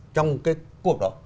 trong cái cuộc đó